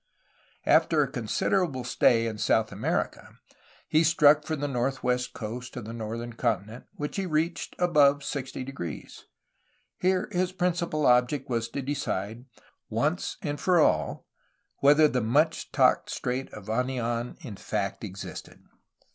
After a considerable stay in South America, he struck for the northwest coast of the northern continent, which he reached above 60°. Here his principal object was to decide, once for all, whether the much talked of Strait of Anian in fact existed.